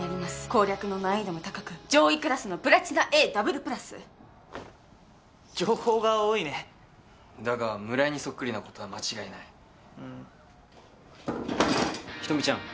攻略の難易度も高く上位クラスのプラチナＡダブルプラス情報が多いねだが村井にそっくりなことは間違いない仁美ちゃん